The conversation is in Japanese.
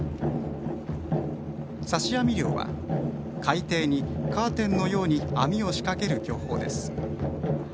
さし網漁は海底にカーテンのように網を仕掛ける漁法です。